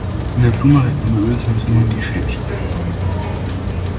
Նեպտունը հայտնաբերվեց հենց նույն գիշեր։